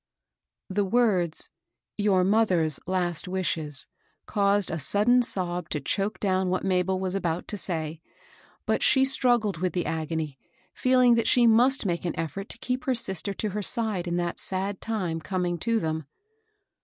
The words, " your mother's last wishes," caused 18 MABEL ROSS. a sudden sob to choke down what Mabel was about to say; but she struggled with the agony, feeling that she must make an eflTort to keep her sister to her side in that sad time coming to them.